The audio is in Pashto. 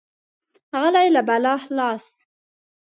غلی، له بلا خلاص.